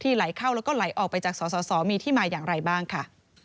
ไหลเข้าแล้วก็ไหลออกไปจากสสมีที่มาอย่างไรบ้างค่ะ